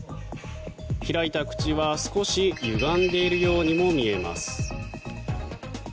開いた口は少し歪んでいるようにも見えます。